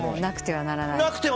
なくてはならない。